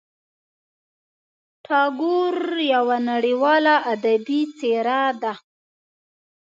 ټاګور یوه نړیواله ادبي څېره ده.